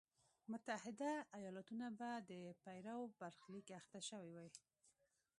متحده ایالتونه به د پیرو برخلیک اخته شوی وای.